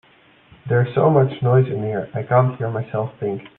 There is so much noise in here, I can't hear myself think.